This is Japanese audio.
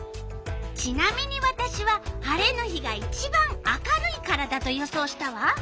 ちなみにわたしは晴れの日がいちばん明るいからだと予想したわ。